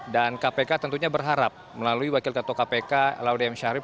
dan kpk tentunya berharap melalui wakil ketua kpk laudem syarif